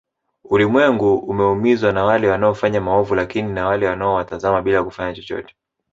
Ulimwengu umeumizwa na wale wanaofanya maovu lakini na wale wanaowatazama bila kufanya chochote